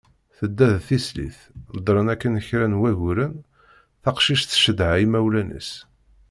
Tedda d tislit, ddren akken kra n wagguren, taqcict tcedha imawlan-is.